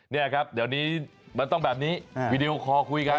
นี่ครับเดี๋ยวนี้มันต้องแบบนี้วีดีโอคอลคุยกัน